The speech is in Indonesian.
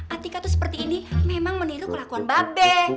atingka tuh seperti ini memang meniru kelakuan babi